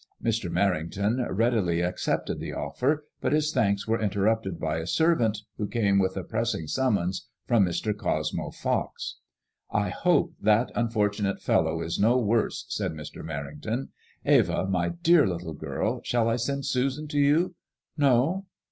'* Mr. Merrington readily ac cepted the o£fer, but his thanks were interrupted by a servant who came with a pressing sum mons from Mr. Cosmo Fox. '^I hope that unfortunate fellow is no worse/' said Mr. Merrington. Eva, my dear little girl, shall I send Susan to you ? No